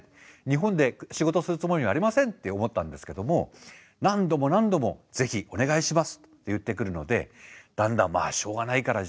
日本で仕事するつもりはありませんって思ったんですけども何度も何度もぜひお願いしますって言ってくるのでだんだんまあしょうがないかな。